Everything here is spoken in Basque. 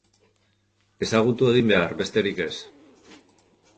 Ezagutu egin behar, besterik ez.